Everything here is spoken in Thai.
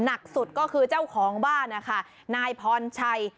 หนักสุดก็คือเจ้าของบ้านนะคะนายพรชัย